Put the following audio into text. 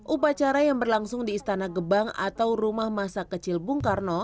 upacara yang berlangsung di istana gebang atau rumah masa kecil bung karno